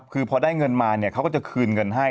คือพอได้เงินมาเนี่ยเขาก็จะคืนเงินให้